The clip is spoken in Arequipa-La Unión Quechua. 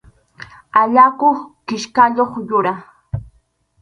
Allakuq kichkayuq yura.